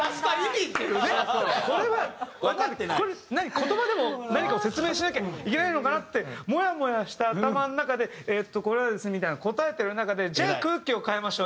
言葉でも何かを説明しなきゃいけないのかなってもやもやした頭の中で「えっとこれはですね」みたいに答えてる中で「じゃあ空気を変えましょう。